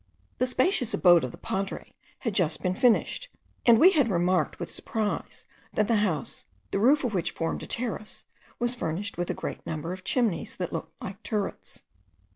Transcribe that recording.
The spacious abode of the padre had just been finished, and we had remarked with surprise, that the house, the roof of which formed a terrace, was furnished with a great number of chimneys that looked like turrets.